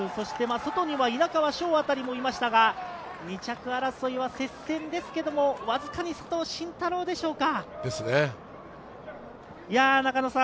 外には稲川翔あたりもいましたが、２着争いは接戦ですけれども、わずかに佐藤慎太郎でしょうか？